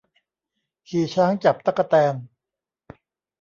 ขี่ช้างจับตั๊กแตน